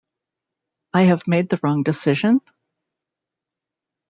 I have made the wrong decision?